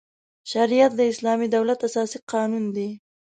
شریعت د اسلامي دولت اساسي قانون دی.